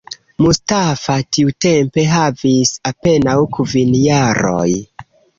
Mustafa tiutempe havis apenaŭ kvin jaroj.